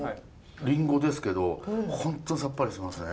りんごですけど本当さっぱりしてますね。